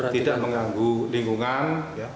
tidak mengganggu lingkungan ya